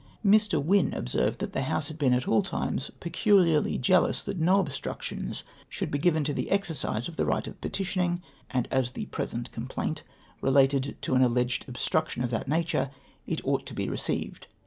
" Mk. Wynn observed that the House had been at all times peculiarly jealous that no obstructions should be given to the T 4 280 XAVAL DEBATES. exercise of the right of petitioning; and as the present com plaint related to an alleged oljstruction of that nature, it ought to be received.